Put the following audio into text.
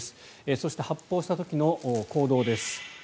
そして、発砲した時の行動です。